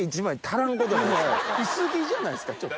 薄着じゃないすかちょっと。